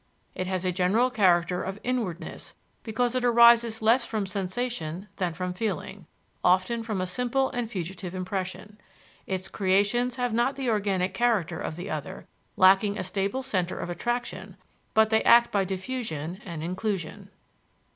It has a general character of inwardness because it arises less from sensation than from feeling, often from a simple and fugitive impression. Its creations have not the organic character of the other, lacking a stable center of attraction; but they act by diffusion and inclusion.